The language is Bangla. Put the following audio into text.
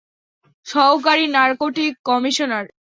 সহকারী নারকোটিক কমিশনার।